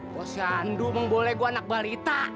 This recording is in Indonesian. posyandu memboleh gua anak balita